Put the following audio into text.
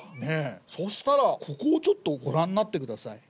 そしたらここをご覧になってください。